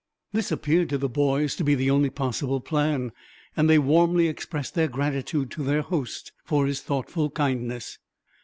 This appeared to the boys to be the only possible plan, and they warmly expressed their gratitude to their host for his thoughtful kindness.